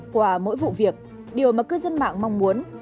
qua mỗi vụ việc điều mà cư dân mạng mong muốn